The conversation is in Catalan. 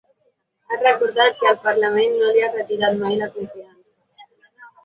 Ha recordat que el parlament no li ha retirat mai la confiança.